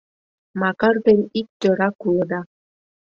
Макар ден ик тӧрак улыда!